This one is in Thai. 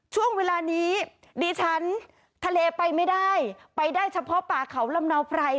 ช่วงเวลานี้ดิฉันทะเลไปไม่ได้ไปได้เฉพาะป่าเขาลำเนาไพร